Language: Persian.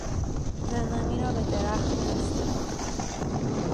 زندانی را به درخت بسته بودند.